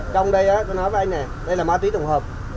trong đây tôi nói với anh này đây là ma túy tổng hợp